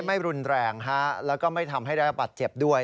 ไม่รุนแรงแล้วก็ไม่ทำให้ระยะบาดเจ็บด้วย